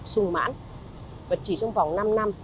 sung mãn và chỉ trong vòng năm năm